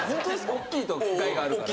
大きいと害があるからね。